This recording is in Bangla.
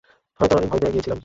হয়তো আমি ভয় পেয়ে গিয়েছিলাম।